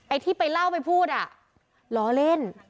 ที่ไปเล่าไปพูดอ่ะล้อเล่น